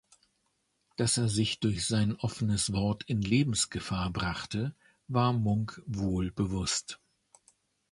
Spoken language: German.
Dass er sich durch sein offenes Wort in Lebensgefahr brachte, war Munk wohl bewusst.